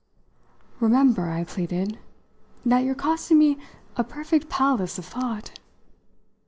"Remember," I pleaded, "that you're costing me a perfect palace of thought!"